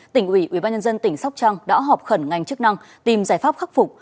tỉnh ủy ubnd tỉnh sóc trăng đã họp khẩn ngành chức năng tìm giải pháp khắc phục